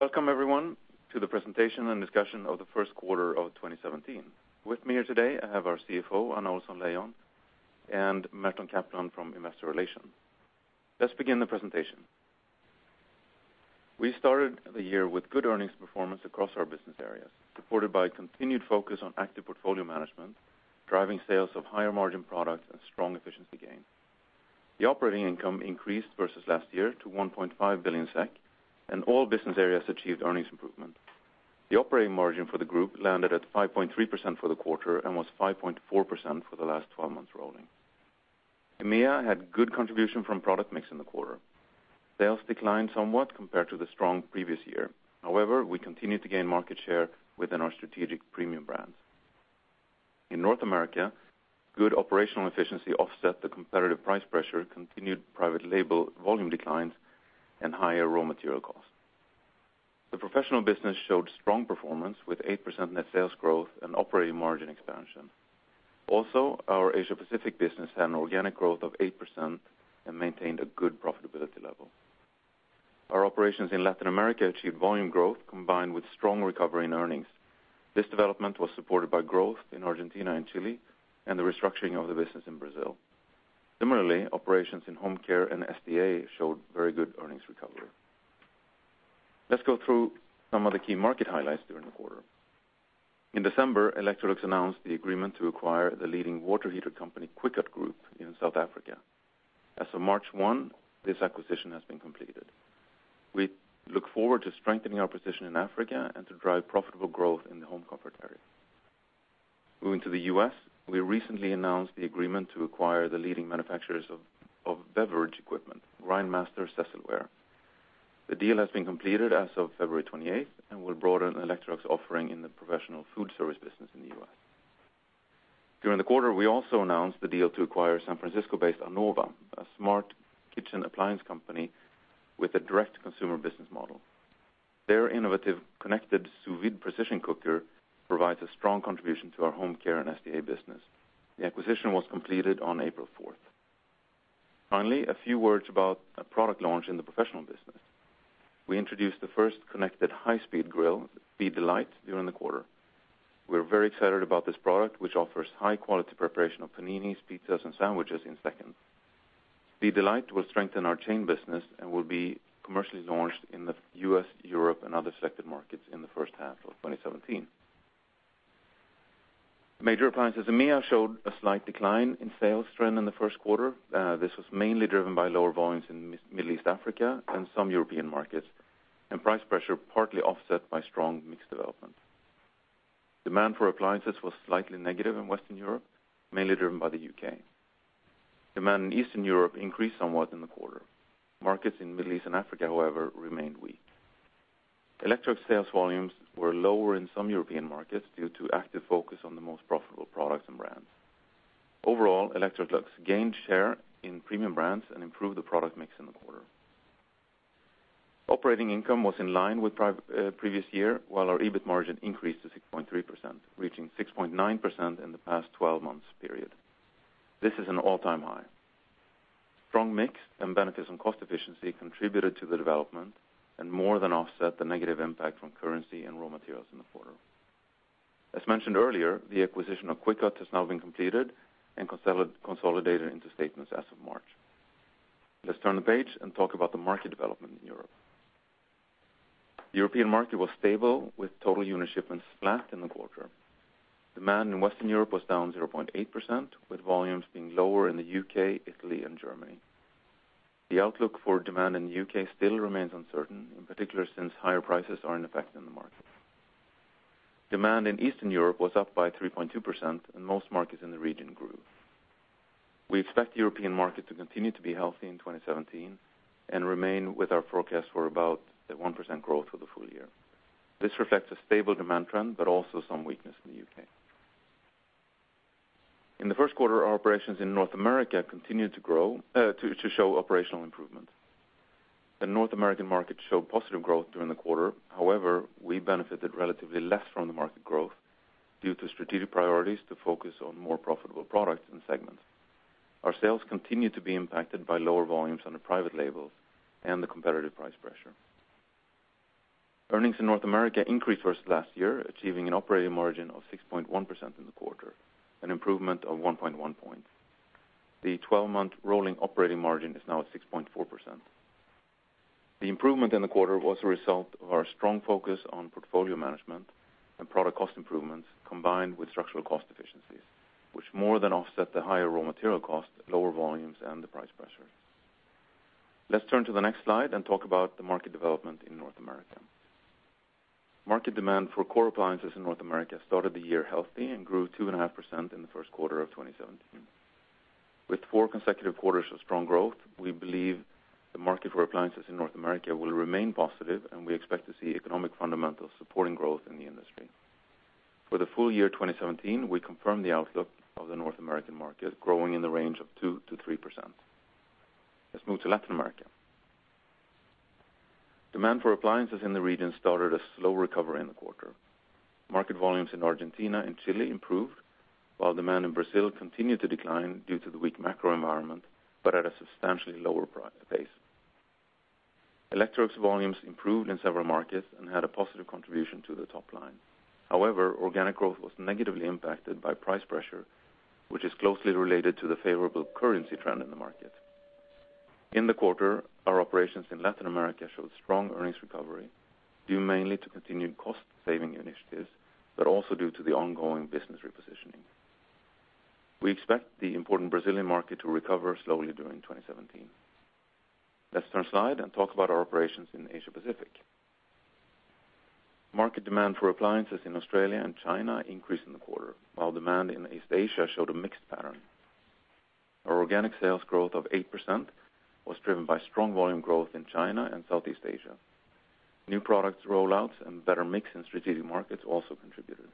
Welcome everyone to the presentation and discussion of the first quarter of 2017. With me here today, I have our CFO, Anna Ohlsson-Leijon, and Merton Kaplan from Investor Relations. Let's begin the presentation. We started the year with good earnings performance across our business areas, supported by continued focus on active portfolio management, driving sales of higher margin products and strong efficiency gain. The operating income increased versus last year to 1.5 billion SEK, and all business areas achieved earnings improvement. The operating margin for the group landed at 5.3% for the quarter, and was 5.4% for the last 12 months rolling. EMEA had good contribution from product mix in the quarter. Sales declined somewhat compared to the strong previous year. We continued to gain market share within our strategic premium brands. In North America, good operational efficiency offset the competitive price pressure, continued private label volume declines, and higher raw material costs. The professional business showed strong performance, with 8% net sales growth and operating margin expansion. Our Asia Pacific business had an organic growth of 8% and maintained a good profitability level. Our operations in Latin America achieved volume growth, combined with strong recovery in earnings. This development was supported by growth in Argentina and Chile, and the restructuring of the business in Brazil. Similarly, operations in Home Care and SDA showed very good earnings recovery. Let's go through some of the key market highlights during the quarter. In December, Electrolux announced the agreement to acquire the leading water heater company, Kwikot Group, in South Africa. As of March 1, this acquisition has been completed. We look forward to strengthening our position in Africa and to drive profitable growth in the home comfort area. Moving to the U.S., we recently announced the agreement to acquire the leading manufacturers of beverage equipment, Grindmaster-Cecilware. The deal has been completed as of February 28th and will broaden Electrolux offering in the professional food service business in the U.S. During the quarter, we also announced the deal to acquire San Francisco-based Anova, a smart kitchen appliance company with a direct consumer business model. Their innovative, connected sous vide Precision Cooker provides a strong contribution to our Home Care and SDA business. The acquisition was completed on April fourth. A few words about a product launch in the professional business. We introduced the first connected high-speed grill, SpeeDelight, during the quarter. We're very excited about this product, which offers high quality preparation of paninis, pizzas, and sandwiches in seconds. SpeeDelight will strengthen our chain business and will be commercially launched in the U.S., Europe, and other selected markets in the first half of 2017. This was mainly driven by lower volumes in Middle East Africa and some European markets, and price pressure, partly offset by strong mix development. Demand for appliances was slightly negative in Western Europe, mainly driven by the U.K. Demand in Eastern Europe increased somewhat in the quarter. Markets in Middle East and Africa, however, remained weak. Electrolux sales volumes were lower in some European markets due to active focus on the most profitable products and brands. Overall, Electrolux gained share in premium brands and improved the product mix in the quarter. Operating income was in line with previous year, while our EBIT margin increased to 6.3%, reaching 6.9% in the past 12 months period. This is an all-time high. Strong mix and benefits on cost efficiency contributed to the development and more than offset the negative impact from currency and raw materials in the quarter. As mentioned earlier, the acquisition of Kwikot has now been completed and consolidated into statements as of March. Let's turn the page and talk about the market development in Europe. European market was stable with total unit shipments flat in the quarter. Demand in Western Europe was down 0.8%, with volumes being lower in the U.K., Italy, and Germany. The outlook for demand in the U.K. still remains uncertain, in particular, since higher prices are in effect in the market. Demand in Eastern Europe was up by 3.2%, and most markets in the region grew. We expect the European market to continue to be healthy in 2017 and remain with our forecast for about a 1% growth for the full year. This reflects a stable demand trend, but also some weakness in the U.K. In the first quarter, our operations in North America continued to grow to show operational improvement. The North American market showed positive growth during the quarter. However, we benefited relatively less from the market growth due to strategic priorities to focus on more profitable products and segments. Our sales continued to be impacted by lower volumes on the private labels and the competitive price pressure. Earnings in North America increased versus last year, achieving an operating margin of 6.1% in the quarter, an improvement of 1.1. The 12-month rolling operating margin is now at 6.4%. The improvement in the quarter was a result of our strong focus on portfolio management and product cost improvements, combined with structural cost efficiencies, which more than offset the higher raw material costs, lower volumes, and the price pressure. Let's turn to the next slide and talk about the market development in North America. Market demand for core appliances in North America started the year healthy and grew 2.5% in the first quarter of 2017. With four consecutive quarters of strong growth, we believe the market for appliances in North America will remain positive. We expect to see economic fundamentals supporting growth in the industry. For the full year 2017, we confirm the outlook of the North American market growing in the range of 2%-3%. Let's move to Latin America. Demand for appliances in the region started a slow recovery in the quarter. Market volumes in Argentina and Chile improved, while demand in Brazil continued to decline due to the weak macro environment, but at a substantially lower price base. Electrolux volumes improved in several markets and had a positive contribution to the top line. Organic growth was negatively impacted by price pressure, which is closely related to the favorable currency trend in the market. In the quarter, our operations in Latin America showed strong earnings recovery, due mainly to continued cost-saving initiatives, but also due to the ongoing business repositioning. We expect the important Brazilian market to recover slowly during 2017. Let's turn side and talk about our operations in Asia Pacific. Market demand for appliances in Australia and China increased in the quarter, while demand in East Asia showed a mixed pattern. Our organic sales growth of 8% was driven by strong volume growth in China and Southeast Asia. New products rollouts and better mix in strategic markets also contributed.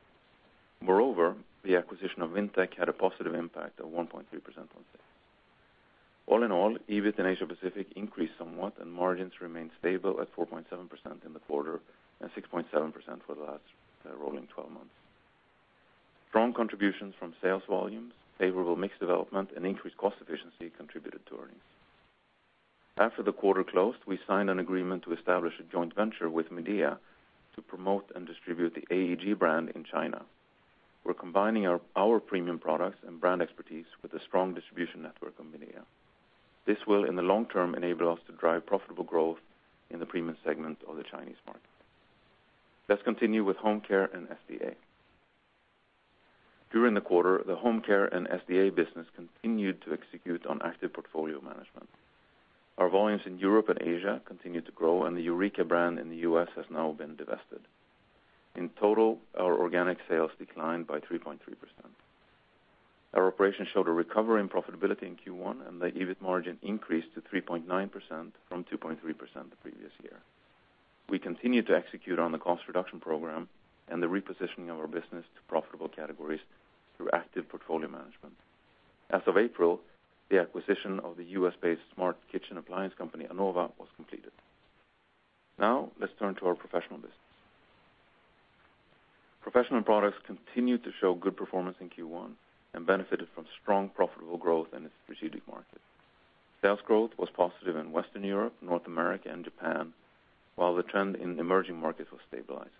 Moreover, the acquisition of Vintec had a positive impact of 1.3% on sales. All in all, EBIT in Asia Pacific increased somewhat, and margins remained stable at 4.7% in the quarter, and 6.7% for the last rolling 12 months. Strong contributions from sales volumes, favorable mix development, and increased cost efficiency contributed to earnings. After the quarter closed, we signed an agreement to establish a joint venture with Midea to promote and distribute the AEG brand in China. We're combining our premium products and brand expertise with a strong distribution network of Midea. This will, in the long term, enable us to drive profitable growth in the premium segment of the Chinese market. Let's continue with Home Care and SDA. During the quarter, the Home Care and SDA business continued to execute on active portfolio management. Our volumes in Europe and Asia continued to grow, and the Eureka brand in the U.S. has now been divested. In total, our organic sales declined by 3.3%. Our operation showed a recovery in profitability in Q1, and the EBIT margin increased to 3.9% from 2.3% the previous year. We continued to execute on the cost reduction program and the repositioning of our business to profitable categories through active portfolio management. As of April, the acquisition of the U.S.-based smart kitchen appliance company, Anova, was completed. Now, let's turn to our professional business. Professional products continued to show good performance in Q1 and benefited from strong, profitable growth in its strategic market. Sales growth was positive in Western Europe, North America, and Japan, while the trend in emerging markets was stabilizing.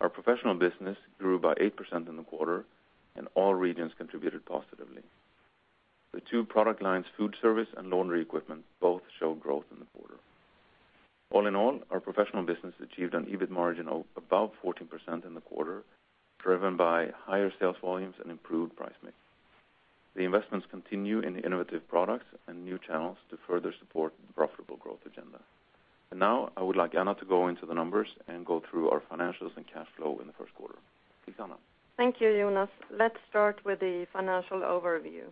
Our professional business grew by 8% in the quarter. All regions contributed positively. The two product lines, food service and laundry equipment, both showed growth in the quarter. All in all, our professional business achieved an EBIT margin of above 14% in the quarter, driven by higher sales volumes and improved price mix. The investments continue in innovative products and new channels to further support the profitable growth agenda. Now, I would like Anna to go into the numbers and go through our financials and cash flow in the first quarter. Please, Anna. Thank you, Jonas. Let's start with the financial overview.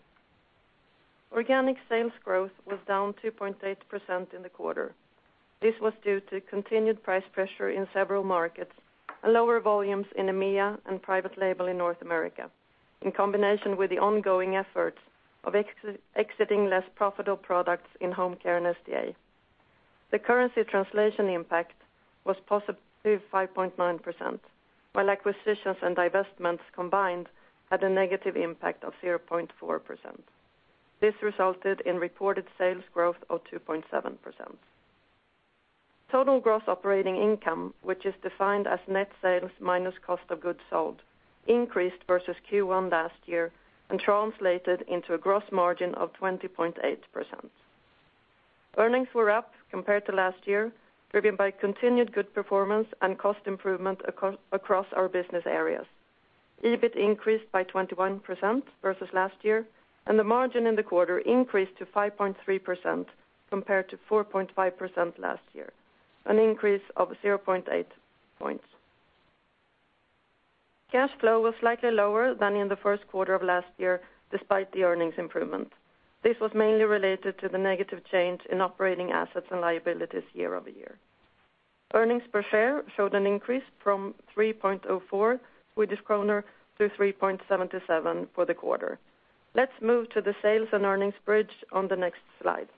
Organic sales growth was down 2.8% in the quarter. This was due to continued price pressure in several markets and lower volumes in EMEA and private label in North America, in combination with the ongoing efforts of exiting less profitable products in Home Care and SDA. The currency translation impact was positive 5.9%, while acquisitions and divestments combined had a negative impact of 0.4%. This resulted in reported sales growth of 2.7%. Total gross operating income, which is defined as net sales minus cost of goods sold, increased versus Q1 last year and translated into a gross margin of 20.8%. Earnings were up compared to last year, driven by continued good performance and cost improvement across our business areas. EBIT increased by 21% versus last year, and the margin in the quarter increased to 5.3%, compared to 4.5% last year, an increase of 0.8 points. Cash flow was slightly lower than in the first quarter of last year, despite the earnings improvement. This was mainly related to the negative change in operating assets and liabilities year-over-year. Earnings per share showed an increase from 3.04 Swedish kronor to 3.77 for the quarter. Let's move to the sales and earnings bridge on the next slide.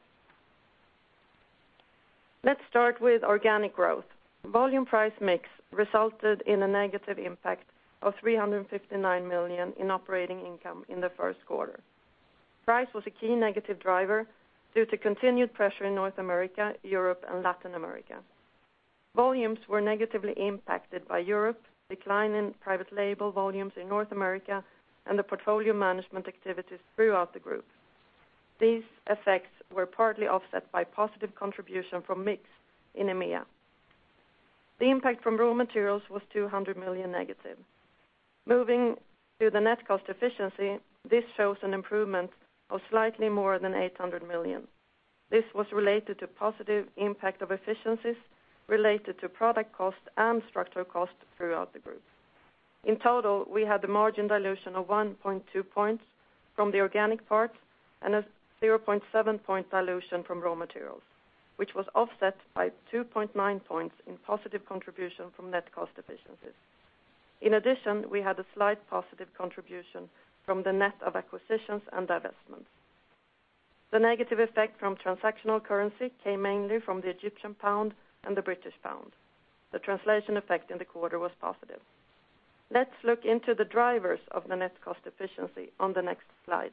Let's start with organic growth. Volume price mix resulted in a negative impact of 359 million in operating income in the first quarter. Price was a key negative driver due to continued pressure in North America, Europe, and Latin America. Volumes were negatively impacted by Europe, decline in private label volumes in North America, and the portfolio management activities throughout the group. These effects were partly offset by positive contribution from mix in EMEA. The impact from raw materials was 200 million negative. Moving to the net cost efficiency, this shows an improvement of slightly more than 800 million. This was related to positive impact of efficiencies related to product cost and structural cost throughout the group. In total, we had a margin dilution of 1.2 points from the organic part and a 0.7 point dilution from raw materials, which was offset by 2.9 points in positive contribution from net cost efficiencies. In addition, we had a slight positive contribution from the net of acquisitions and divestments. The negative effect from transactional currency came mainly from the Egyptian pound and the British pound. The translation effect in the quarter was positive. Let's look into the drivers of the net cost efficiency on the next slide.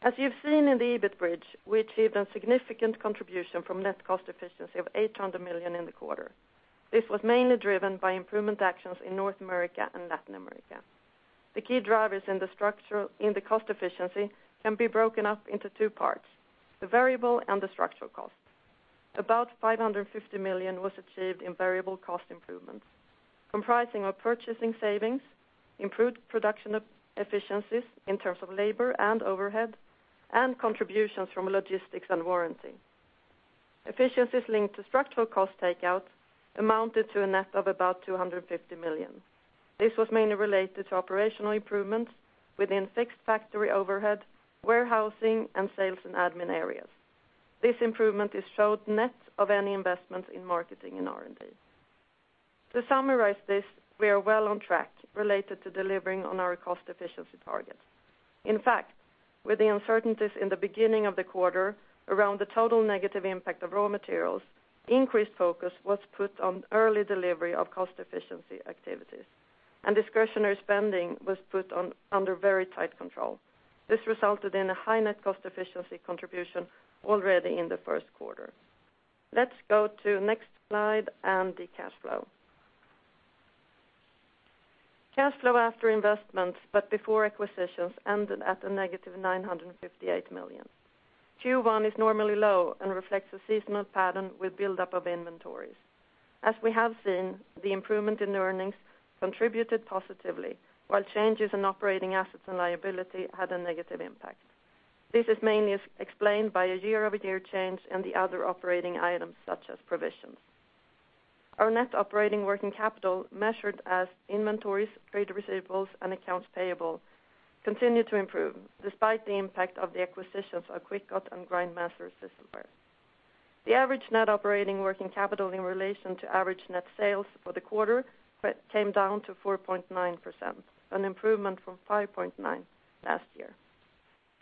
As you've seen in the EBIT bridge, we achieved a significant contribution from net cost efficiency of 800 million in the quarter. This was mainly driven by improvement actions in North America and Latin America. The key drivers in the cost efficiency can be broken up into two parts, the variable and the structural cost. About 550 million was achieved in variable cost improvements, comprising of purchasing savings, improved production of efficiencies in terms of labor and overhead, and contributions from logistics and warranty. Efficiencies linked to structural cost takeout amounted to a net of about 250 million. This was mainly related to operational improvements within fixed factory overhead, warehousing, and sales and admin areas. This improvement is showed net of any investments in marketing and R&D. To summarize this, we are well on track related to delivering on our cost efficiency targets. In fact, with the uncertainties in the beginning of the quarter around the total negative impact of raw materials, increased focus was put on early delivery of cost efficiency activities, and discretionary spending was under very tight control. This resulted in a high net cost efficiency contribution already in the first quarter. Let's go to next slide and the cash flow. Cash flow after investments, but before acquisitions, ended at a negative 958 million. Q1 is normally low and reflects a seasonal pattern with buildup of inventories. As we have seen, the improvement in earnings contributed positively, while changes in operating assets and liability had a negative impact. This is mainly explained by a year-over-year change in the other operating items, such as provisions. Our net operating working capital, measured as inventories, trade receivables, and accounts payable, continued to improve despite the impact of the acquisitions of Kwikot and Grindmaster-Cecilware. The average net operating working capital in relation to average net sales for the quarter came down to 4.9%, an improvement from 5.9% last year.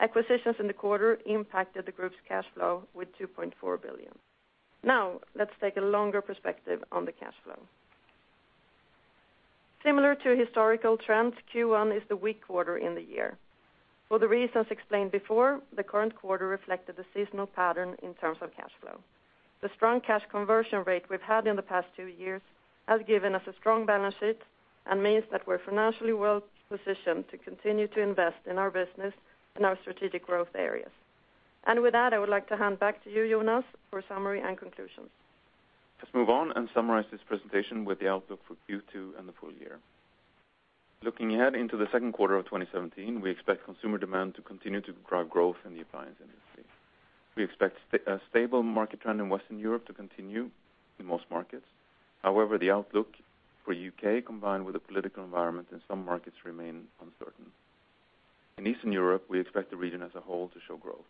Acquisitions in the quarter impacted the group's cash flow with 2.4 billion. Let's take a longer perspective on the cash flow. Similar to historical trends, Q1 is the weak quarter in the year. For the reasons explained before, the current quarter reflected the seasonal pattern in terms of cash flow. The strong cash conversion rate we've had in the past two years has given us a strong balance sheet and means that we're financially well positioned to continue to invest in our business and our strategic growth areas. With that, I would like to hand back to you, Jonas, for summary and conclusions. Let's move on and summarize this presentation with the outlook for Q2 and the full year. Looking ahead into the second quarter of 2017, we expect consumer demand to continue to drive growth in the appliance industry. We expect a stable market trend in Western Europe to continue in most markets. The outlook for U.K., combined with the political environment in some markets, remain uncertain. In Eastern Europe, we expect the region as a whole to show growth.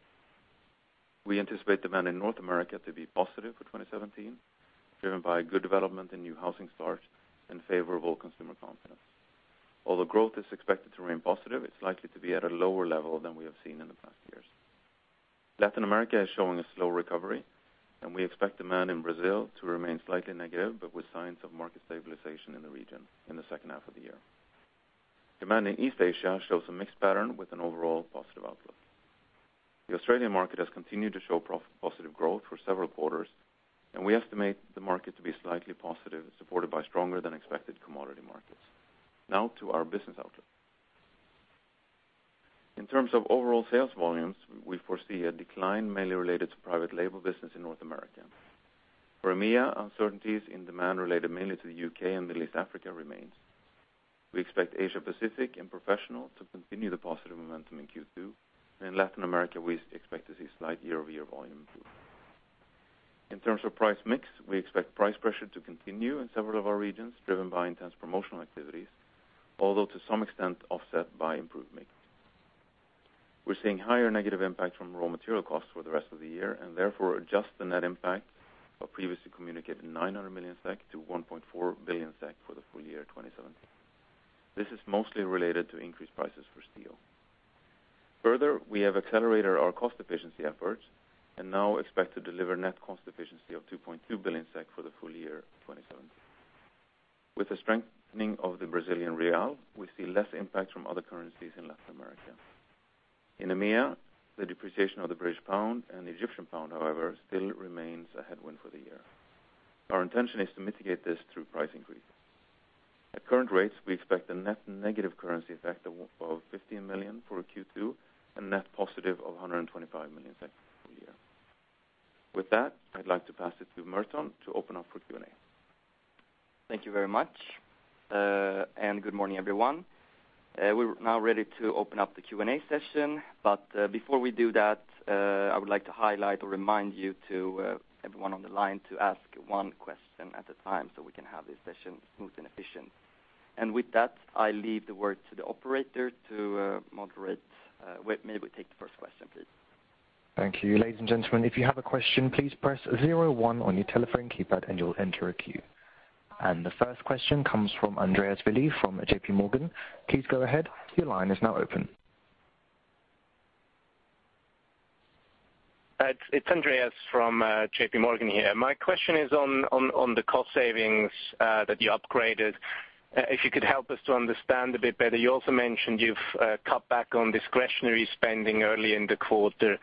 We anticipate demand in North America to be positive for 2017, driven by good development in new housing starts and favorable consumer confidence. Although growth is expected to remain positive, it's likely to be at a lower level than we have seen in the past years. Latin America is showing a slow recovery, and we expect demand in Brazil to remain slightly negative, but with signs of market stabilization in the region in the second half of the year. Demand in East Asia shows a mixed pattern with an overall positive outlook. The Australian market has continued to show positive growth for several quarters, and we estimate the market to be slightly positive, supported by stronger than expected commodity markets. Now to our business outlook. In terms of overall sales volumes, we foresee a decline mainly related to private label business in North America. For EMEA, uncertainties in demand related mainly to the U.K. and Middle East Africa remains. We expect Asia Pacific and professional to continue the positive momentum in Q2, and in Latin America, we expect to see slight year-over-year volume improvement. In terms of price mix, we expect price pressure to continue in several of our regions, driven by intense promotional activities, although to some extent offset by improved mix. We're seeing higher negative impact from raw material costs for the rest of the year, and therefore adjust the net impact of previously communicated 900 million SEK to 1.4 billion SEK for the full year 2017. This is mostly related to increased prices for steel. We have accelerated our cost efficiency efforts and now expect to deliver net cost efficiency of 2.2 billion SEK for the full year 2017. With the strengthening of the Brazilian real, we see less impact from other currencies in Latin America. In EMEA, the depreciation of the British pound and the Egyptian pound, however, still remains a headwind for the year. Our intention is to mitigate this through price increase. At current rates, we expect a net negative currency effect of 15 million for Q2 and net positive of 125 million for the year. With that, I'd like to pass it to Merton to open up for Q&A. Thank you very much, and good morning, everyone. We're now ready to open up the Q&A session. Before we do that, I would like to highlight or remind you to everyone on the line, to ask one question at a time so we can have this session smooth and efficient. With that, I leave the word to the operator to moderate. May we take the first question, please? Thank you, ladies and gentlemen. If you have a question, please press zero one on your telephone keypad and you'll enter a queue. The first question comes from Andreas Willi from JPMorgan. Please go ahead. Your line is now open. It's Andreas from J.P. Morgan here. My question is on the cost savings that you upgraded. If you could help us to understand a bit better, you also mentioned you've cut back on discretionary spending early in the quarter.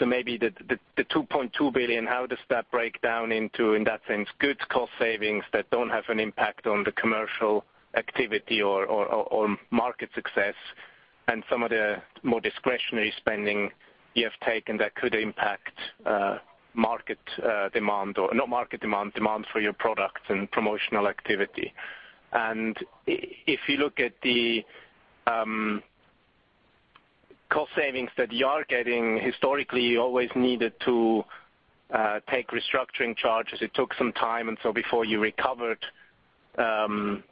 Maybe the 2.2 billion, how does that break down into, in that sense, good cost savings that don't have an impact on the commercial activity or market success, and some of the more discretionary spending you have taken that could impact market, not market demand for your products and promotional activity? If you look at the cost savings that you are getting, historically, you always needed to take restructuring charges. It took some time, and so before you recovered, an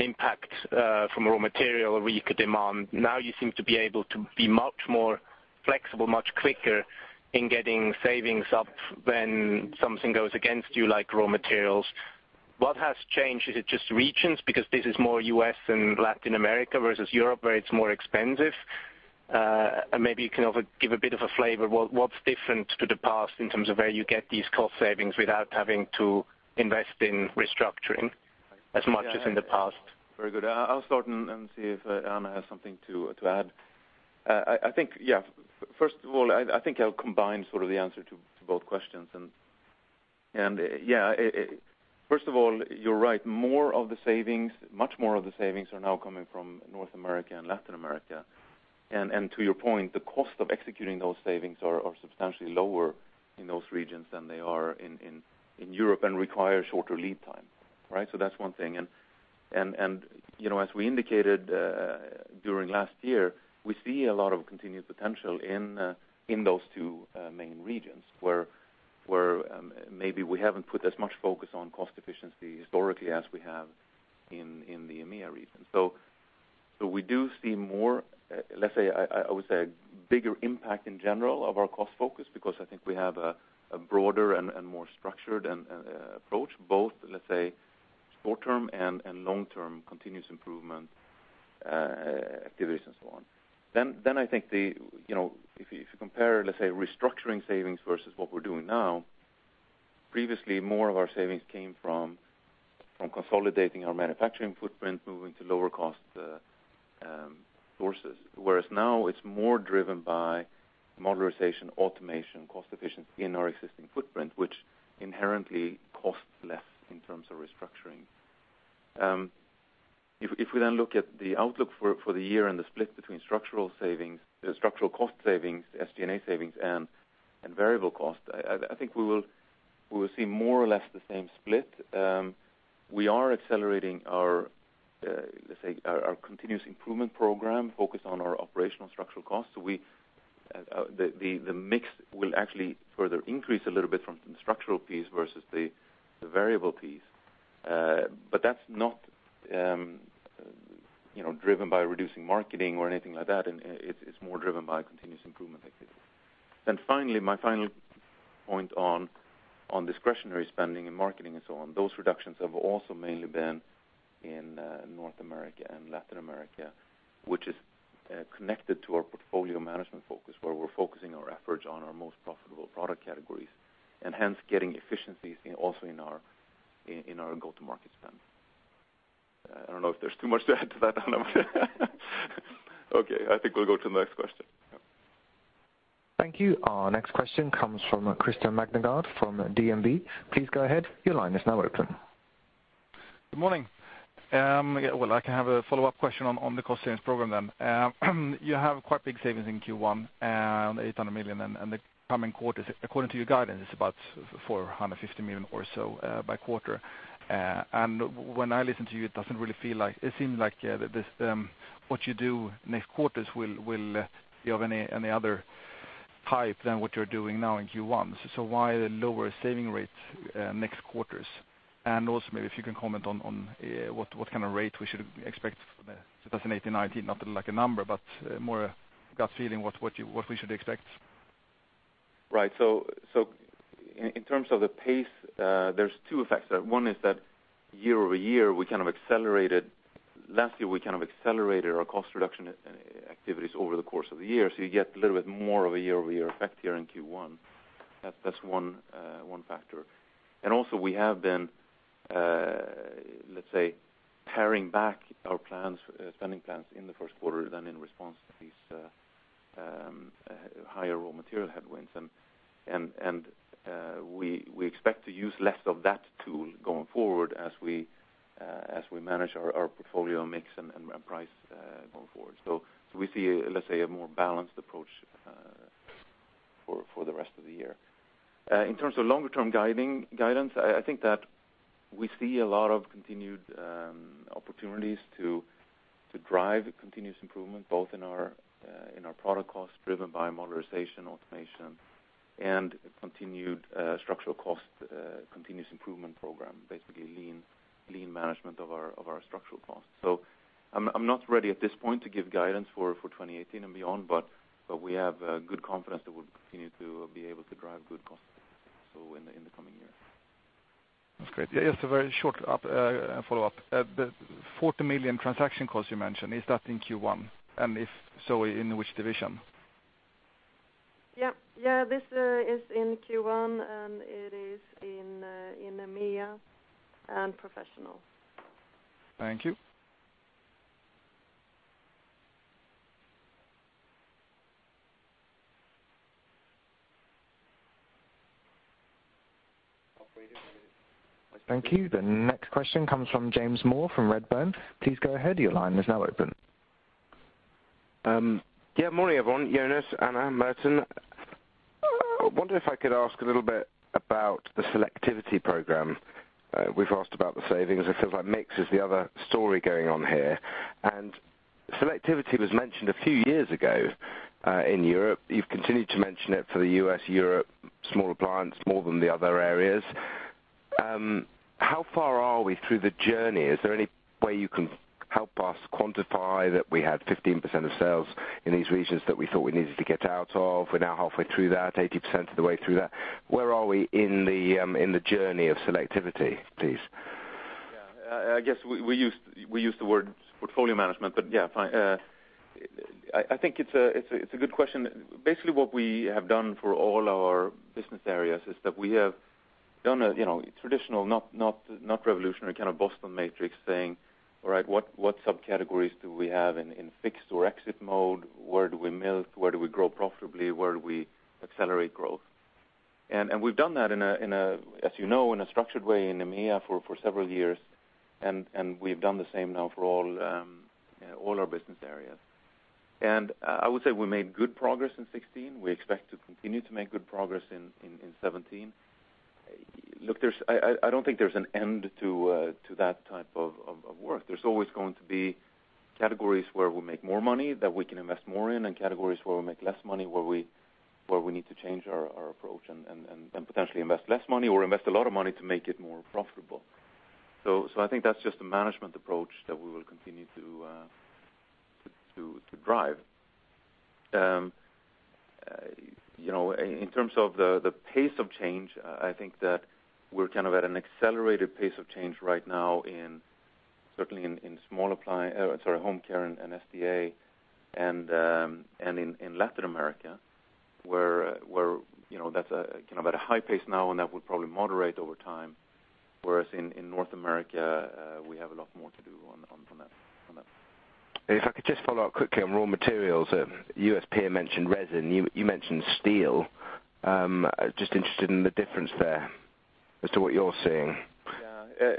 impact from raw material or weaker demand, now you seem to be able to be much more flexible, much quicker in getting savings up when something goes against you, like raw materials. What has changed? Is it just regions? Because this is more U.S. and Latin America versus Europe, where it's more expensive. And maybe you can also give a bit of a flavor, what's different to the past in terms of where you get these cost savings without having to invest in restructuring as much as in the past? Very good. I'll start and see if Anna has something to add. I think, yeah, first of all, I think I'll combine sort of the answer to both questions. Yeah, first of all, you're right. More of the savings, much more of the savings are now coming from North America and Latin America. To your point, the cost of executing those savings are substantially lower in those regions than they are in Europe and require shorter lead time, right? That's one thing. You know, as we indicated during last year, we see a lot of continued potential in those two main regions, where maybe we haven't put as much focus on cost efficiency historically as we have in the EMEA region. We do see more, let's say, I would say, a bigger impact in general of our cost focus, because I think we have a broader and more structured and approach, both, let's say, short term and long-term continuous improvement activities and so on. I think. You know, if you compare, let's say, restructuring savings versus what we're doing now, previously, more of our savings came from consolidating our manufacturing footprint, moving to lower cost sources. Whereas now, it's more driven by modernization, automation, cost efficiency in our existing footprint, which inherently costs less in terms of restructuring. If we then look at the outlook for the year and the split between structural savings, structural cost savings, SG&A savings, and variable cost, I think we will see more or less the same split. We are accelerating our, let's say, our continuous improvement program, focused on our operational structural costs. We, the mix will actually further increase a little bit from the structural piece versus the variable piece. That's not, you know, driven by reducing marketing or anything like that, and it's more driven by continuous improvement activity. Finally, my final point on discretionary spending and marketing and so on, those reductions have also mainly been in North America and Latin America, which is connected to our portfolio management focus, where we're focusing our efforts on our most profitable product categories, and hence, getting efficiencies in, also in our go-to-market spend. I don't know if there's too much to add to that, Anna. Okay, I think we'll go to the next question. Thank you. Our next question comes from Christer Magnergård from DNB. Please go ahead. Your line is now open. Good morning. Well, I can have a follow-up question on the cost savings program then. You have quite big savings in Q1, 800 million, and the coming quarters, according to your guidance, it's about 450 million or so, by quarter. When I listen to you, it seems like this what you do next quarters will be of any other type than what you're doing now in Q1. Why the lower saving rate next quarters? Also, maybe if you can comment on what kind of rate we should expect for the 2018, 2019, not like a number, but more a gut feeling, what you, what we should expect. Right. In terms of the pace, there's two effects. One is that year-over-year, Last year, we kind of accelerated our cost reduction activities over the course of the year, so you get a little bit more of a year-over-year effect here in Q1. That's one factor. We expect to use less of that tool going forward as we manage our portfolio mix and price going forward. We see, let's say, a more balanced approach for the rest of the year. In terms of longer-term guidance, I think that we see a lot of continued opportunities to drive continuous improvement, both in our product costs, driven by modernization, automation and continued structural cost continuous improvement program, basically lean management of our structural costs. I'm not ready at this point to give guidance for 2018 and beyond, but we have good confidence that we'll continue to be able to drive good costs in the coming years. That's great. Just a very short up, follow-up. The 40 million transaction costs you mentioned, is that in Q1? If so, in which division? Yep. Yeah, this is in Q1, and it is in EMEA and Professional. Thank you. Thank you. The next question comes from James Moore from Redburn. Please go ahead. Your line is now open. Morning, everyone, Jonas, Anna, Merton. I wonder if I could ask a little bit about the selectivity program. We've asked about the savings. It feels like mix is the other story going on here. Selectivity was mentioned a few years ago in Europe. You've continued to mention it for the U.S., Europe, small appliance, more than the other areas. How far are we through the journey? Is there any way you can help us quantify that we had 15% of sales in these regions that we thought we needed to get out of? We're now halfway through that, 80% of the way through that. Where are we in the journey of selectivity, please? I guess we use the word portfolio management, yeah, fine. I think it's a good question. Basically, what we have done for all our business areas is that we have done a, you know, traditional, not revolutionary, kind of Boston matrix, saying, all right, what subcategories do we have in fixed or exit mode? Where do we milk? Where do we grow profitably? Where do we accelerate growth? We've done that in a, as you know, in a structured way in EMEA for several years, we've done the same now for all our business areas. I would say we made good progress in 2016. We expect to continue to make good progress in 2017. Look, there's... I don't think there's an end to that type of work. There's always going to be categories where we make more money, that we can invest more in, and categories where we make less money, where we need to change our approach and potentially invest less money or invest a lot of money to make it more profitable. I think that's just a management approach that we will continue to drive. You know, in terms of the pace of change, I think that we're kind of at an accelerated pace of change right now in, certainly in Home Care and SDA, and in Latin America, where, you know, that's a, kind of at a high pace now, and that would probably moderate over time, whereas in North America, we have a lot more to do on that, on that. If I could just follow up quickly on raw materials. A U.S. peer mentioned resin, you mentioned steel. Just interested in the difference there as to what you're seeing? Yeah.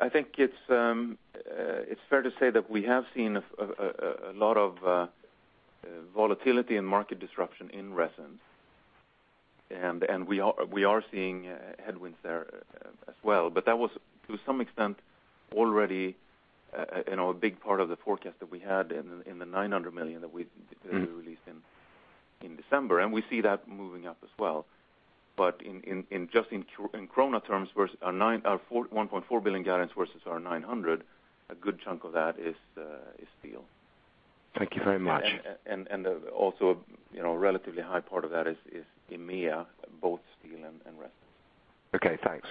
I think it's fair to say that we have seen a lot of volatility and market disruption in resins, and we are seeing headwinds there as well. That was, to some extent, already, you know, a big part of the forecast that we had in the, in the 900 million that we. Mm. Released in December, and we see that moving up as well. In krona terms, versus our 1.4 billion guidance versus our 900, a good chunk of that is steel. Thank you very much. Also, you know, a relatively high part of that is EMEA, both steel and resin. Okay, thanks.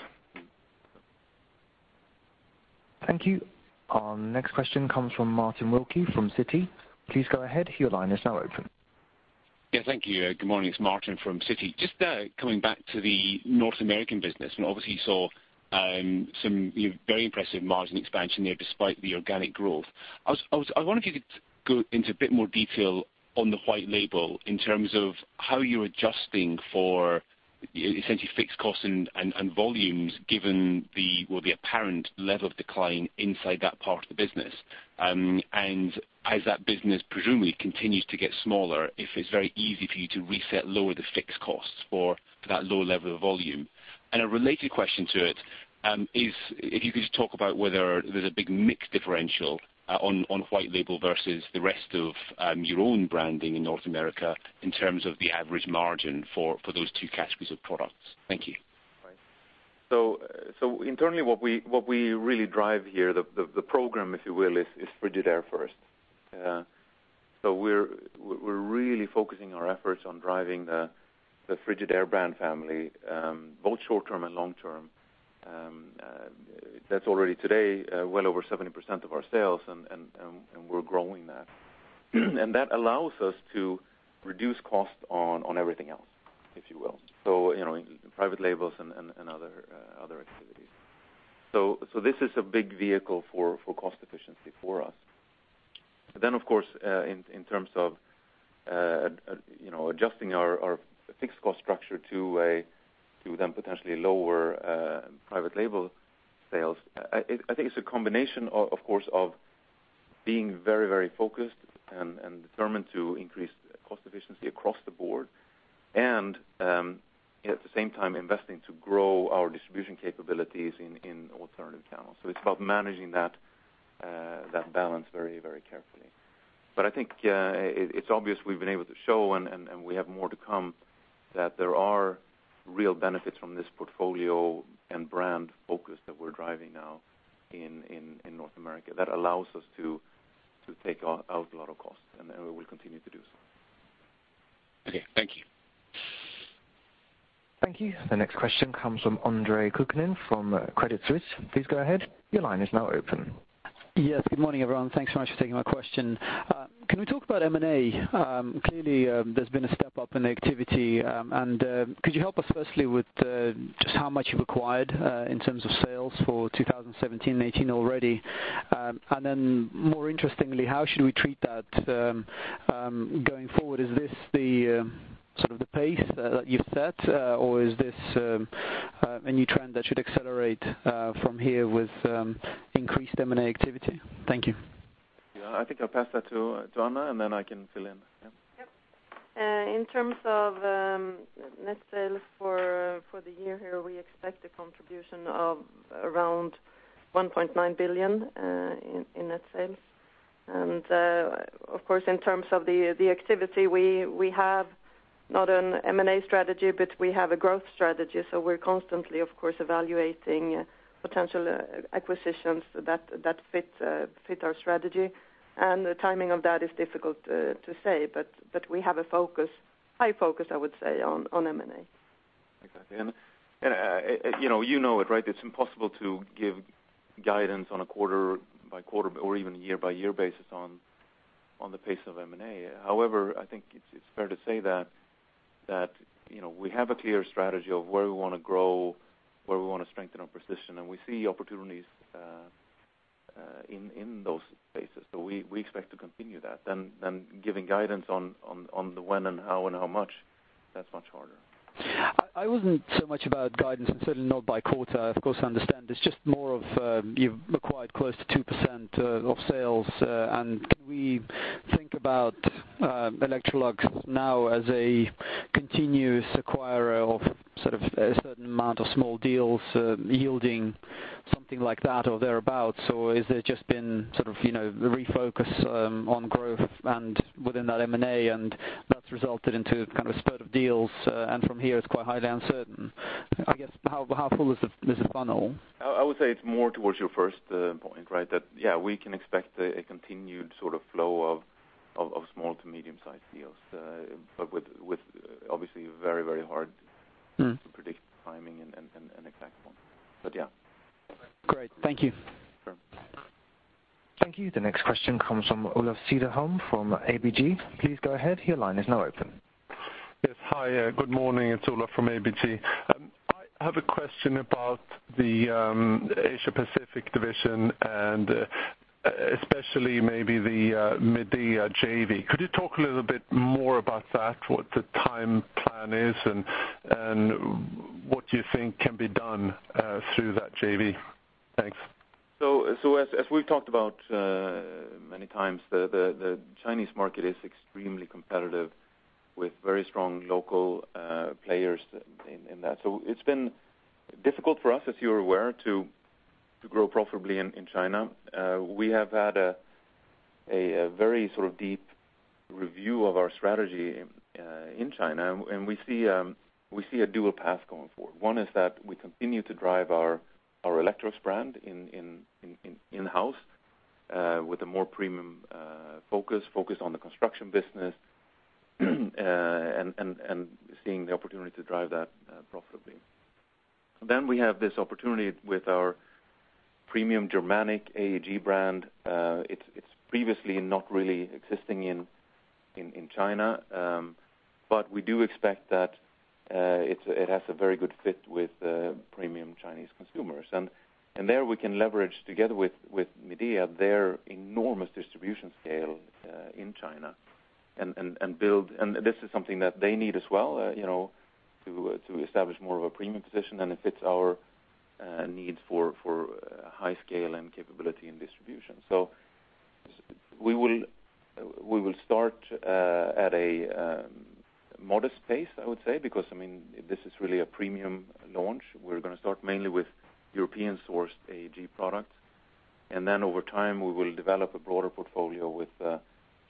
Thank you. Our next question comes from Martin Wilkie, from Citi. Please go ahead. Your line is now open. Yeah, thank you. Good morning, it's Martin from Citi. Just coming back to the North American business, and obviously you saw some very impressive margin expansion there, despite the organic growth. I wonder if you could go into a bit more detail on the private label in terms of how you're adjusting for essentially fixed costs and volumes, given the, well, the apparent level of decline inside that part of the business. As that business presumably continues to get smaller, if it's very easy for you to reset lower the fixed costs for that lower level of volume. A related question to it, is if you could just talk about whether there's a big mix differential, on white label versus the rest of, your own branding in North America in terms of the average margin for those two categories of products. Thank you. Right. Internally, what we really drive here, the program, if you will, is Frigidaire first. We're really focusing our efforts on driving the Frigidaire brand family, both short term and long term. That's already today, well over 70% of our sales, and we're growing that. That allows us to reduce costs on everything else, if you will, so, you know, in private labels and other activities. This is a big vehicle for cost efficiency for us. Of course, in terms of, you know, adjusting our fixed cost structure to then potentially lower private label sales, I think it's a combination, of course, of being very focused and determined to increase cost efficiency across the board and at the same time investing to grow our distribution capabilities in alternative channels. It's about managing that balance very carefully. I think it's obvious we've been able to show, and we have more to come, that there are real benefits from this portfolio and brand focus that we're driving now in North America. That allows us to take out a lot of costs, and we will continue to do so. Okay, thank you. Thank you. The next question comes from Andreas Koski from Credit Suisse. Please go ahead, your line is now open. Yes, good morning, everyone. Thanks so much for taking my question. Can we talk about M&A? Clearly, there's been a step up in activity, could you help us firstly with just how much you've acquired in terms of sales for 2017 and 2018 already? More interestingly, how should we treat that going forward? Is this the sort of the pace that you've set, or is this a new trend that should accelerate from here with increased M&A activity? Thank you. I think I'll pass that to Anna, and then I can fill in. Yeah. Yep. In terms of net sales for the year here, we expect a contribution of around 1.9 billion in net sales. Of course, in terms of the activity, we have not an M&A strategy, but we have a growth strategy, so we're constantly, of course, evaluating potential acquisitions that fit our strategy. The timing of that is difficult to say, but we have a focus, high focus, I would say, on M&A. Exactly. You know, you know it, right? It's impossible to give guidance on a quarter by quarter or even year by year basis on the pace of M&A. However, I think it's fair to say that, you know, we have a clear strategy of where we want to grow, where we want to strengthen our position, and we see opportunities in those spaces. We expect to continue that. Giving guidance on the when and how and how much, that's much harder. I wasn't so much about guidance and certainly not by quarter. Of course, I understand. It's just more of, you've acquired close to 2% of sales, and can we think about Electrolux now as a continuous acquirer of sort of a certain amount of small deals, yielding something like that or thereabout? Has there just been sort of, you know, a refocus on growth and within that M&A, and that's resulted into kind of a spurt of deals, and from here it's quite highly uncertain? I guess, how full is the funnel? I would say it's more towards your first point, right? That, yeah, we can expect a continued sort of flow of small to medium-sized deals, but with obviously very, very hard- Mm. ...To predict the timing and exact one. Yeah. Great. Thank you. Sure. Thank you. The next question comes from Olof Cederholm from ABG. Please go ahead. Your line is now open. Yes. Hi, good morning. It's Olof from ABG. I have a question about the Asia Pacific division and especially maybe the Midea JV. Could you talk a little bit more about that, what the time plan is, and what you think can be done through that JV? Thanks. As we've talked about many times, the Chinese market is extremely competitive with very strong local players in that. It's been difficult for us, as you're aware, to grow profitably in China. We have had a very sort of deep review of our strategy in China, and we see a dual path going forward. One is that we continue to drive our Electrolux brand in-house with a more premium focus on the construction business and seeing the opportunity to drive that profitably. We have this opportunity with our premium Germanic AEG brand. It's previously not really existing in China, but we do expect that it has a very good fit with premium Chinese consumers. There we can leverage together with Midea, their enormous distribution scale in China and build. This is something that they need as well, you know, to establish more of a premium position, and it fits our needs for high scale and capability and distribution. We will start at a modest pace, I would say, because, I mean, this is really a premium launch. We're gonna start mainly with European-sourced AEG products, and then over time, we will develop a broader portfolio with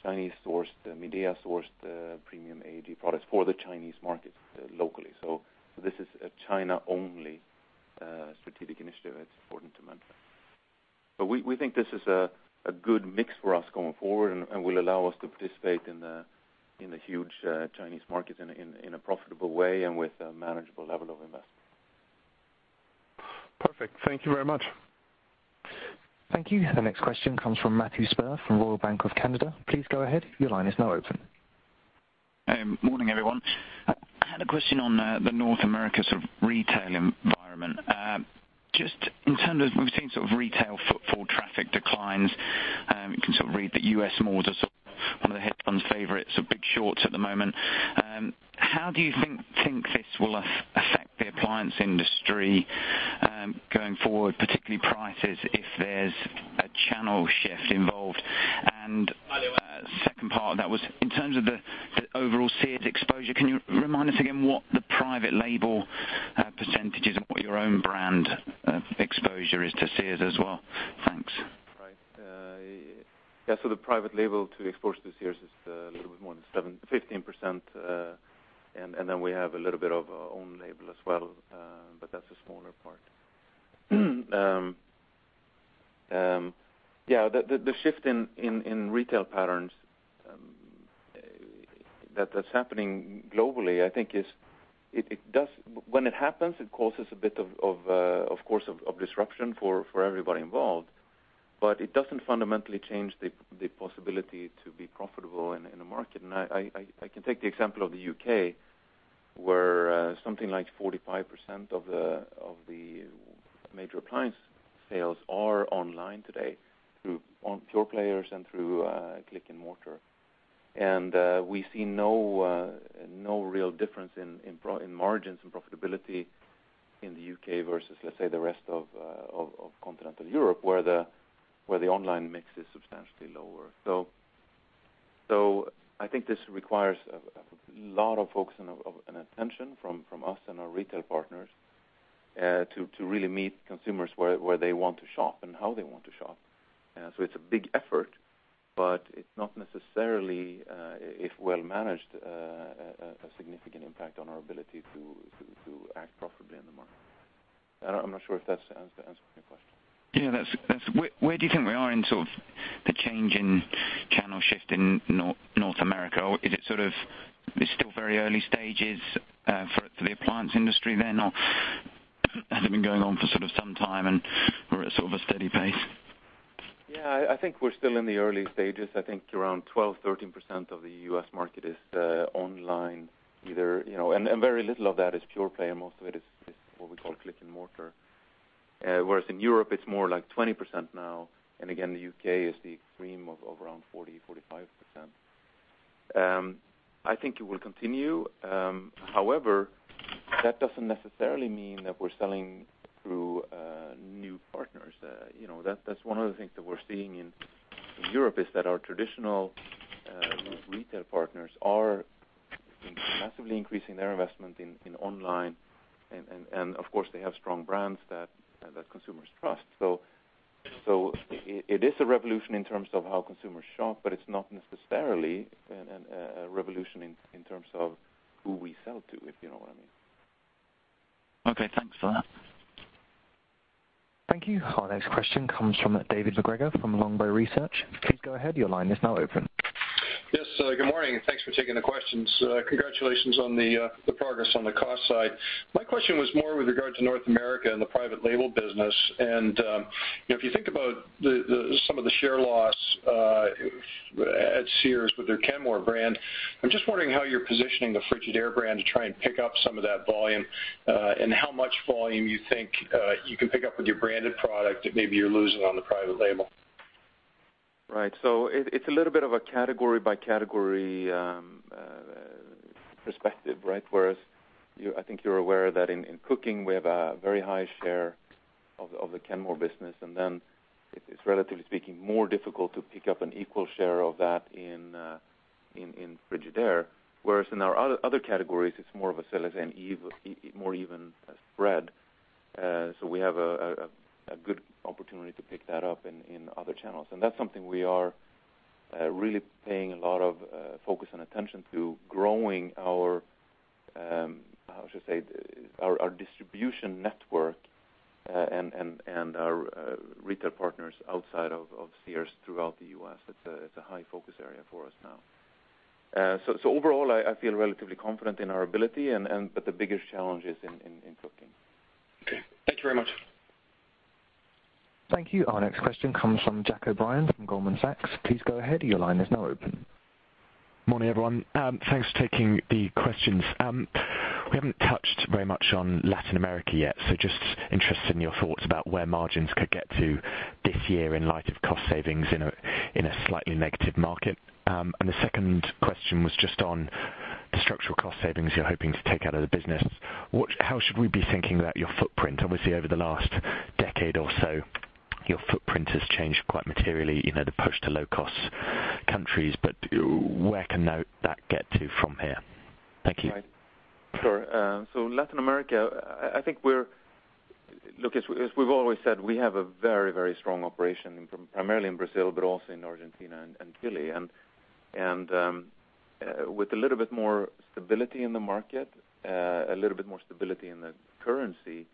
Chinese-sourced, Midea-sourced, premium AEG products for the Chinese market locally. This is a China-only strategic initiative. It's important to mention. We think this is a good mix for us going forward and will allow us to participate in the huge Chinese market in a profitable way and with a manageable level of investment. Perfect. Thank you very much. Thank you. The next question comes from Mattias Sparre from Royal Bank of Canada. Please go ahead. Your line is now open. Morning, everyone. I had a question on the North America sort of retail environment. Just in terms of we've seen sort of retail footfall traffic declines, you can sort of read that U.S. malls are sort of one of the headlines favorites, so big shorts at the moment. How do you think this will affect the appliance industry, going forward, particularly prices, if there's a channel shift involved? Second part of that was, in terms of the overall Sears exposure, can you remind us again what the private label percentage is and what your own brand exposure is to Sears as well? Thanks. Right. Yeah, the private label to exposure to Sears is a little bit more than 7%-15%, and then we have a little bit of our own label as well, but that's a smaller part. Yeah, the shift in retail patterns that's happening globally, I think is, it, When it happens, it causes a bit of course, of disruption for everybody involved, but it doesn't fundamentally change the possibility to be profitable in the market. I can take the example of the U.K., where something like 45% of the major appliance sales are online today, through pure players and through click-and-mortar. We see no real difference in margins and profitability in the U.K. versus, let's say, the rest of continental Europe, where the online mix is substantially lower. I think this requires a lot of focus and attention from us and our retail partners to really meet consumers where they want to shop and how they want to shop. It's a big effort, but it's not necessarily, if well managed, a significant impact on our ability to act profitably in the market. I'm not sure if that's answered your question. Yeah, that's. Where do you think we are in sort of the change in channel shift in North America? Is it sort of, it's still very early stages, for the appliance industry then, or has it been going on for sort of some time and we're at sort of a steady pace? I think we're still in the early stages. I think around 12%-13% of the U.S. market is online, either, you know. Very little of that is pure play, and most of it is what we call click-and-mortar. Whereas in Europe, it's more like 20% now, and again, the U.K. is the extreme of around 40%-45%. I think it will continue, however, that doesn't necessarily mean that we're selling through new partners. You know, that's one of the things that we're seeing in Europe, is that our traditional retail partners are massively increasing their investment in online, and of course, they have strong brands that consumers trust. It is a revolution in terms of how consumers shop, but it's not necessarily an a revolution in terms of who we sell to, if you know what I mean. Okay, thanks for that. Thank you. Our next question comes from David MacGregor from Longbow Research. Please go ahead, your line is now open. Yes, good morning, and thanks for taking the questions. Congratulations on the progress on the cost side. My question was more with regard to North America and the private label business. If you think about the some of the share loss at Sears with their Kenmore brand, I'm just wondering how you're positioning the Frigidaire brand to try and pick up some of that volume, and how much volume you think you can pick up with your branded product that maybe you're losing on the private label? Right. It's a little bit of a category by category perspective, right? Whereas I think you're aware that in cooking, we have a very high share of the Kenmore business, and then it's, relatively speaking, more difficult to pick up an equal share of that in Frigidaire. Whereas in our other categories, it's more of a sell and more even spread. We have a good opportunity to pick that up in other channels. That's something we are really paying a lot of focus and attention to, growing our how should I say, our distribution network, and our retail partners outside of Sears throughout the U.S. It's a high focus area for us now. Overall, I feel relatively confident in our ability. The biggest challenge is in cooking. Okay. Thank you very much. Thank you. Our next question comes from Jack O'Dwyer-Henry from Goldman Sachs. Please go ahead, your line is now open. Morning, everyone, thanks for taking the questions. We haven't touched very much on Latin America yet, so just interested in your thoughts about where margins could get to this year in light of cost savings in a, in a slightly negative market. The second question was just on the structural cost savings you're hoping to take out of the business. How should we be thinking about your footprint? Obviously, over the last decade or so, your footprint has changed quite materially, you know, the push to low-cost countries, but where can now that get to from here? Thank you. Right. Sure. Latin America, I think we're Look, as we've always said, we have a very, very strong operation, primarily in Brazil, but also in Argentina and Chile. With a little bit more stability in the market, a little bit more stability in the currency,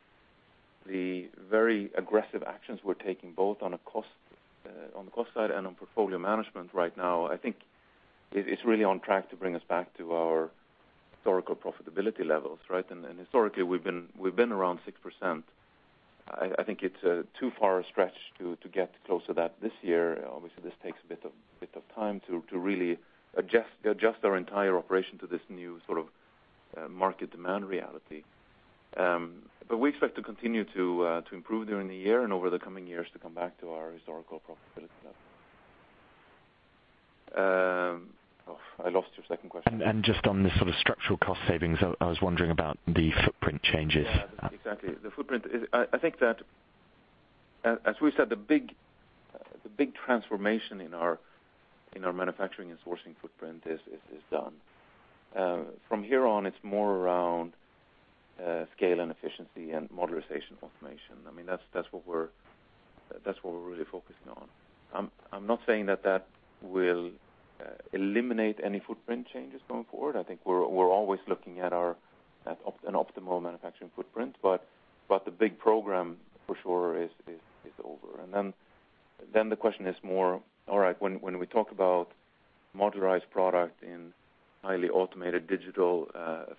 the very aggressive actions we're taking, both on a cost on the cost side and on portfolio management right now, I think it's really on track to bring us back to our historical profitability levels, right? Historically, we've been around 6%. I think it's too far a stretch to get close to that this year. Obviously, this takes a bit of time to really adjust our entire operation to this new sort of market demand reality. We expect to continue to improve during the year and over the coming years to come back to our historical profitability level. I lost your second question. Just on the sort of structural cost savings, I was wondering about the footprint changes. Yeah, exactly. The footprint is. As we said, the big transformation in our manufacturing and sourcing footprint is done. From here on, it's more around scale and efficiency and modularization automation. I mean, that's what we're really focusing on. I'm not saying that will eliminate any footprint changes going forward. I think we're always looking at our, an optimal manufacturing footprint, but the big program, for sure, is over. Then the question is more: all right, when we talk about modularized product in highly automated digital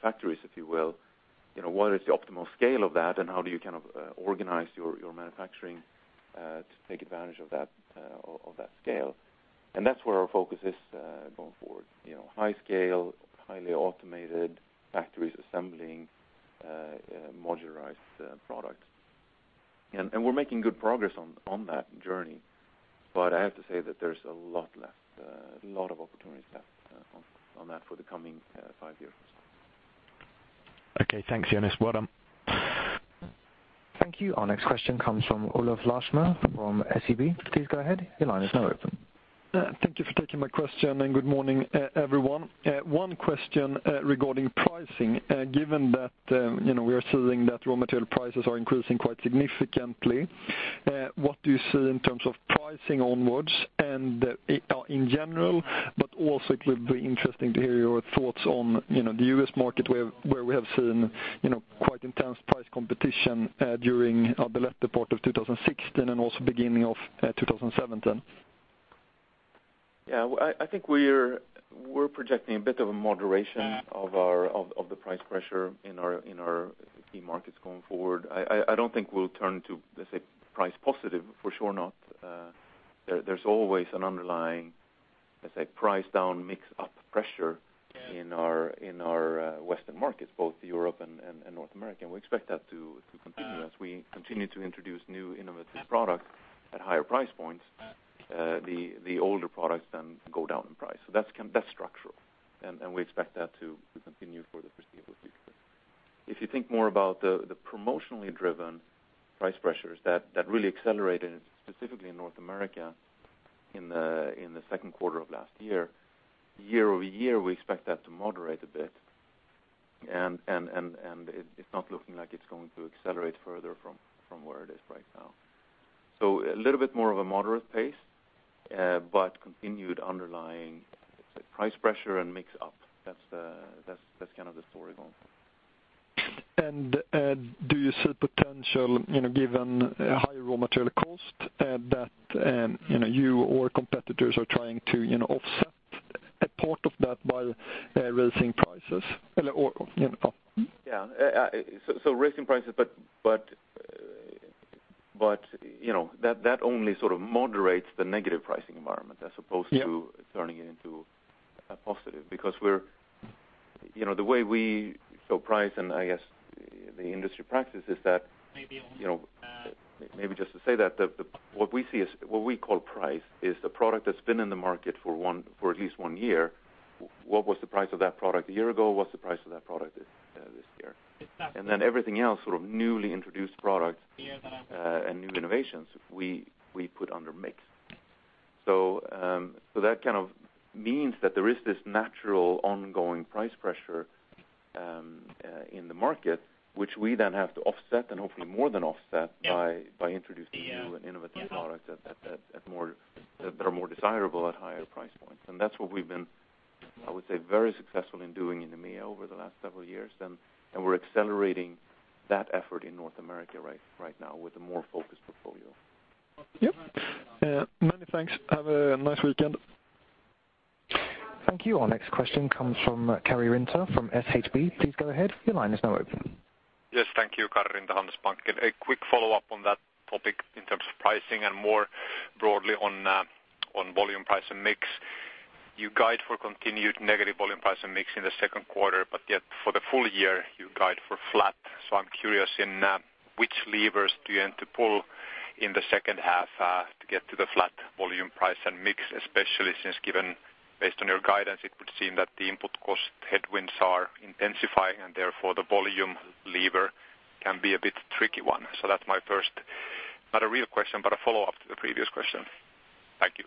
factories, if you will, you know, what is the optimal scale of that? How do you kind of organize your manufacturing to take advantage of that of that scale? That's where our focus is going forward. You know, high scale, highly automated factories, assembling modularized products. We're making good progress on that journey, but I have to say that there's a lot left, a lot of opportunities left on that for the coming five years. Okay, thanks, Jonas. Bye-bye. Thank you. Our next question comes from Olof Larshammar from SEB. Please go ahead. Your line is now open. Thank you for taking my question, and good morning, everyone. One question regarding pricing. Given that, you know, we are seeing that raw material prices are increasing quite significantly, what do you see in terms of pricing onwards and in general, but also it would be interesting to hear your thoughts on, you know, the U.S. market, where we have seen, you know, quite intense price competition during the latter part of 2016 and also beginning of 2017. Yeah. Well, I think we're projecting a bit of a moderation- Yeah... of our, of the price pressure in our key markets going forward. I don't think we'll turn to, let's say, price positive. For sure not. There's always an underlying, let's say, price down, mix up pressure. Yeah. In our Western markets, both Europe and North America. We expect that to continue. Yeah. As we continue to introduce new innovative products at higher price points, the older products then go down in price. That's structural, and we expect that to continue for the foreseeable future. If you think more about the promotionally driven price pressures that really accelerated, specifically in North America, in the second quarter of last year-over-year, we expect that to moderate a bit. It's not looking like it's going to accelerate further from where it is right now. A little bit more of a moderate pace, but continued underlying, let's say, price pressure and mix up. That's kind of the story going forward. Do you see potential, you know, given high raw material cost, that, you know, you or competitors are trying to, you know, offset a part of that by raising prices? Or, you know, Yeah. Raising prices, but, you know, only sort of moderates the negative pricing environment. Yeah.... As opposed to turning it into a positive. You know, the way we. Price, and I guess the industry practice is that. Maybe, um, uh- You know, maybe just to say that the what we see as, what we call price, is the product that's been in the market for at least one year. What was the price of that product a year ago? What's the price of that product this year? Exactly. Everything else, sort of newly introduced products. Yeah.... and new innovations, we put under mix. That kind of means that there is this natural, ongoing price pressure in the market, which we then have to offset and hopefully more than offset... Yeah... by introducing new and innovative products. Yeah. At more, that are more desirable at higher price points. That's what we've been, I would say, very successful in doing in the EMEA over the last several years. We're accelerating that effort in North America right now with a more focused portfolio. Yep. many thanks. Have a nice weekend. Thank you. Our next question comes from Karri Rinta from SHB. Please go ahead. Your line is now open. Yes, thank you, Karri Rinta, Handelsbanken. A quick follow-up on that topic in terms of pricing and more broadly on volume price and mix. You guide for continued negative volume price and mix in the second quarter, but yet, for the full year, you guide for flat. I'm curious in which levers do you intend to pull in the second half to get to the flat volume price and mix, especially since given, based on your guidance, it would seem that the input cost headwinds are intensifying, and therefore, the volume lever can be a bit tricky one? That's my first, not a real question, but a follow-up to the previous question. Thank you.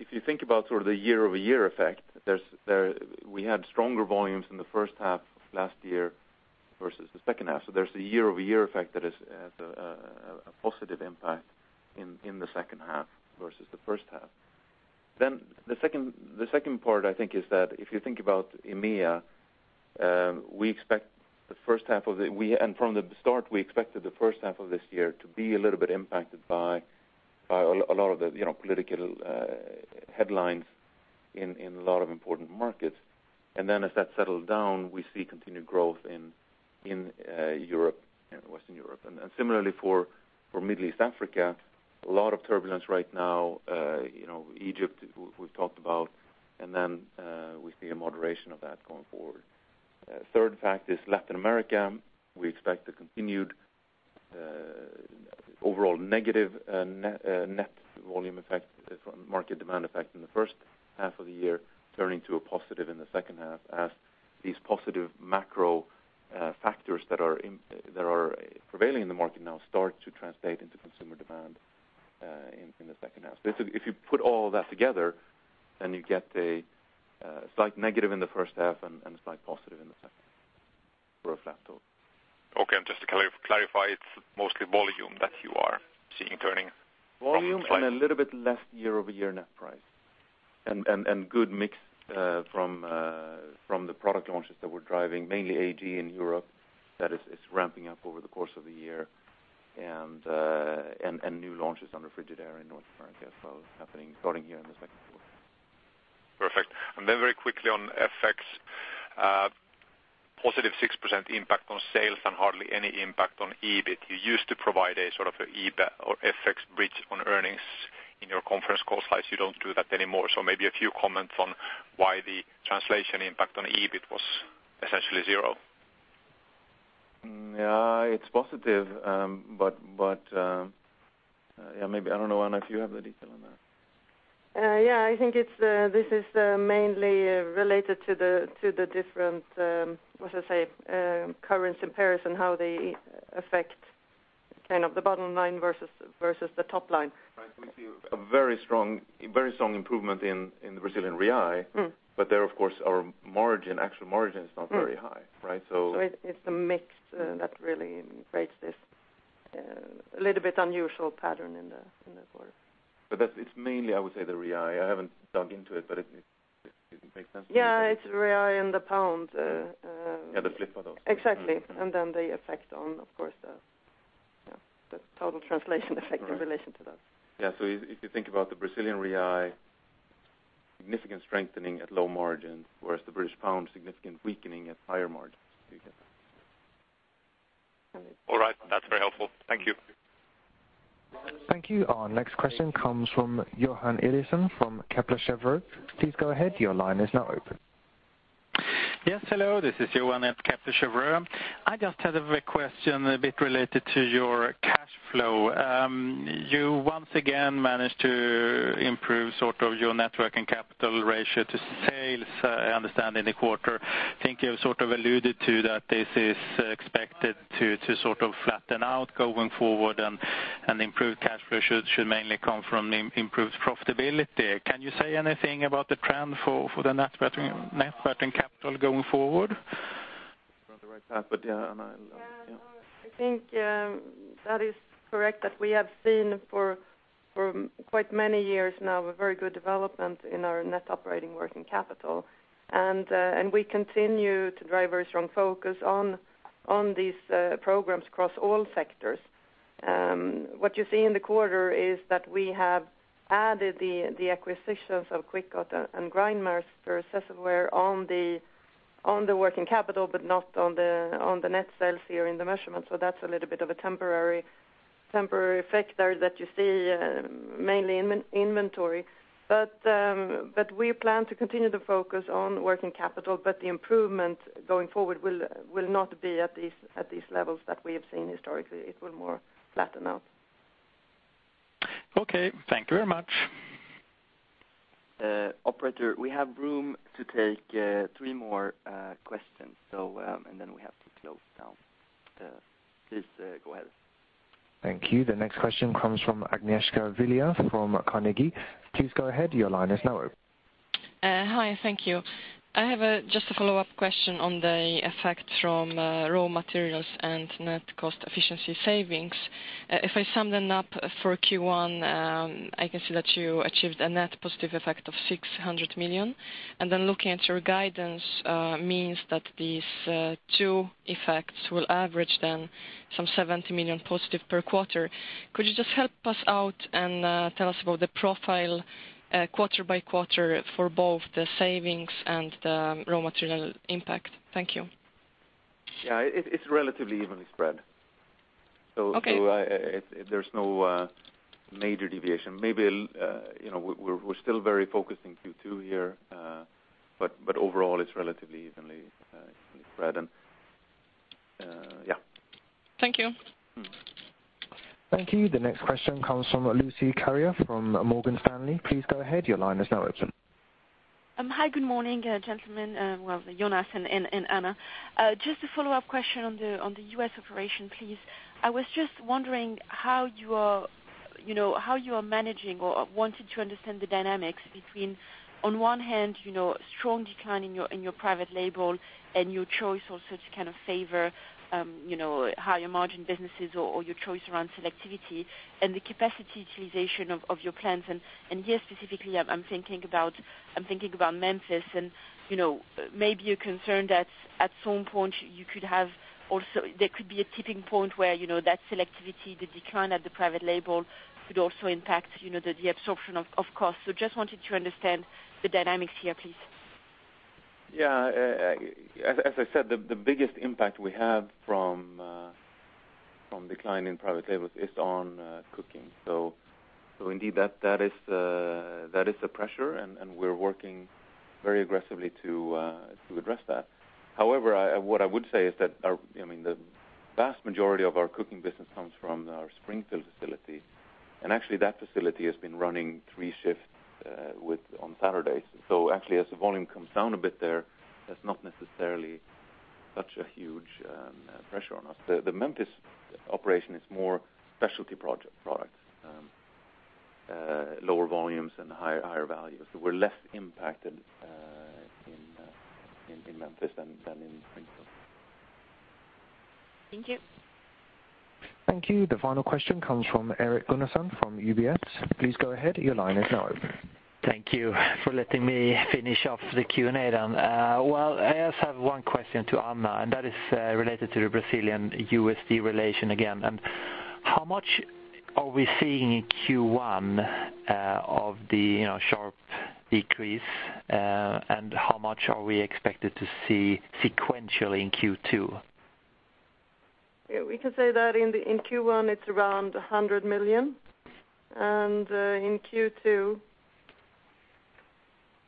If you think about sort of the year-over-year effect, we had stronger volumes in the first half of last year versus the second half, there's a year-over-year effect that is a positive impact in the second half versus the first half. The second part, I think, is that if you think about EMEA, from the start, we expected the first half of this year to be a little bit impacted by a lot of the, you know, political headlines in a lot of important markets. As that settled down, we see continued growth in Europe, in Western Europe. Similarly for Middle East Africa, a lot of turbulence right now. You know, Egypt, we've talked about, and then, we see a moderation of that going forward. Third fact is Latin America. We expect a continued overall negative net net volume effect from market demand effect in the first half of the year, turning to a positive in the second half, as these positive macro factors that are prevailing in the market now start to translate into consumer demand in the second half. If you put all that together, then you get a slight negative in the first half and a slight positive in the second, or a flat total. Okay, and just to clarify, it's mostly volume that you are seeing turning? Volume and a little bit less year-over-year net price. Good mix from the product launches that we're driving, mainly AEG in Europe, that is ramping up over the course of the year. New launches on the Frigidaire in North America as well, happening starting here in the second quarter. Perfect. Very quickly on FX, positive 6% impact on sales and hardly any impact on EBIT. You used to provide a sort of a EBITDA or FX bridge on earnings in your conference call slides. You don't do that anymore, maybe a few comments on why the translation impact on EBIT was essentially zero. Yeah, it's positive. Yeah, maybe I don't know, Anna, if you have the detail on that? I think it's, this is, mainly related to the, to the different, what do you say? Currency comparison, how they affect kind of the bottom line versus the top line. Right. We see a very strong improvement in the Brazilian real. Mm. There, of course, our margin, actual margin is not very high, right? It's the mix that really creates this little bit unusual pattern in the quarter. That's. It's mainly, I would say, the Real. I haven't dug into it, but it makes sense to me. Yeah, it's real and the pound. Yeah, the flip of those. Exactly. Then the effect on, of course, the, yeah, the total translation effect in relation to that. Yeah. If you think about the Brazilian real, significant strengthening at low margins, whereas the British pound, significant weakening at higher margins, so you get that. All right. That's very helpful. Thank you. Thank you. Our next question comes from Johan Eliason from Kepler Cheuvreux. Please go ahead. Your line is now open. Hello, this is Johan at Kepler Cheuvreux. I just had a quick question a bit related to your cash flow. You once again managed to improve sort of your net working capital ratio to sales, I understand, in the quarter. I think you sort of alluded to that this is expected to sort of flatten out going forward, and improved cash flow should mainly come from improved profitability. Can you say anything about the trend for the net working capital going forward? You're on the right path, but yeah, and I'll, yeah. Yeah. No, I think that is correct, that we have seen for quite many years now, a very good development in our net operating working capital. We continue to drive very strong focus on these programs across all sectors. What you see in the quarter is that we have added the acquisitions of Kwikot and Grindmaster-Cecilware on the working capital, but not on the net sales here in the measurement. That's a little bit of a temporary effect there that you see mainly in inventory. We plan to continue to focus on working capital, but the improvement going forward will not be at these levels that we have seen historically. It will more flatten out. Okay. Thank you very much. Operator, we have room to take three more questions. Then we have to close down the... Please go ahead. Thank you. The next question comes from Agnieszka Iwaszkiewicz from Carnegie. Please go ahead. Your line is now open. Hi, thank you. I have just a follow-up question on the effect from raw materials and net cost efficiency savings. If I sum them up for Q1, I can see that you achieved a net positive effect of 600 million. Looking at your guidance, means that these two effects will average then some 70 million positive per quarter. Could you just help us out and tell us about the profile quarter by quarter for both the savings and the raw material impact? Thank you. Yeah. It's relatively evenly spread. Okay. There's no major deviation. Maybe, you know, we're still very focused in Q2 here, but overall, it's relatively evenly spread and yeah. Thank you. Mm. Thank you. The next question comes from Lucie Carrier from Morgan Stanley. Please go ahead. Your line is now open. Hi, good morning, gentlemen, Jonas and Anna. Just a follow-up question on the U.S. operation, please. I was just wondering how you are, you know, how you are managing or wanted to understand the dynamics between, on one hand, you know, strong decline in your private label and your choice also to kind of favor, you know, higher margin businesses or your choice around selectivity and the capacity utilization of your plans. Here, specifically, I'm thinking about Memphis and, you know, maybe you're concerned that at some point there could be a tipping point where, you know, that selectivity, the decline at the private label, could also impact, you know, the absorption of costs. Just wanted to understand the dynamics here, please. As I said, the biggest impact we have from decline in private labels is on. Indeed, that is the pressure, and we're working very aggressively to address that. However, what I would say is that our, I mean, the vast majority of our cooking business comes from our Springfield facility, and actually, that facility has been running three shifts with on Saturdays. Actually, as the volume comes down a bit there, that's not necessarily such a huge pressure on us. The Memphis operation is more specialty project products, lower volumes and higher values. We're less impacted in Memphis than in Springfield. Thank you. Thank you. The final question comes from Erik Gunnarsson from UBS. Please go ahead. Your line is now open. Thank you for letting me finish off the Q&A then. Well, I just have one question to Anna, and that is related to the Brazilian USD relation again. How much are we seeing in Q1 of the, you know, sharp decrease? How much are we expected to see sequentially in Q2? Yeah, we can say that in Q1, it's around 100 million. In Q2,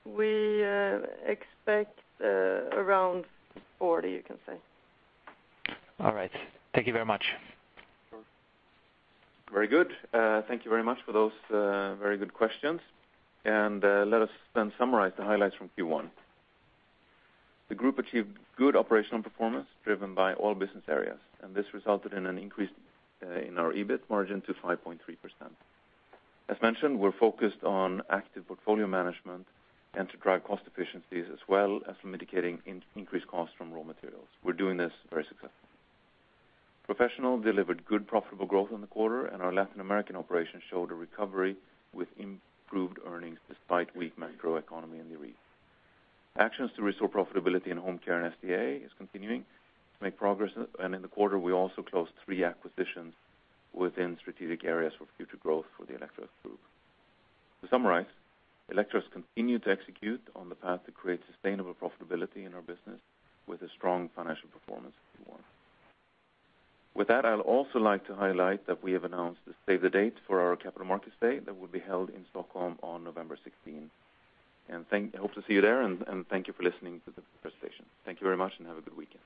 we expect around 40, you can say. All right. Thank you very much. Very good. Thank you very much for those, very good questions. Let us then summarize the highlights from Q1. The group achieved good operational performance, driven by all business areas, and this resulted in an increase in our EBIT margin to 5.3%. As mentioned, we're focused on active portfolio management and to drive cost efficiencies, as well as mitigating increased costs from raw materials. We're doing this very successfully. Professional delivered good profitable growth in the quarter, and our Latin American operations showed a recovery with improved earnings despite weak macroeconomy in the region. Actions to restore profitability in Home Care and SDA is continuing to make progress, and in the quarter, we also closed three acquisitions within strategic areas for future growth for the Electrolux Group. To summarize, Electrolux continued to execute on the path to create sustainable profitability in our business with a strong financial performance in Q1. With that, I'd also like to highlight that we have announced the save the date for our Capital Markets Day that will be held in Stockholm on November 16th. I hope to see you there, and thank you for listening to the presentation. Thank you very much, and have a good weekend.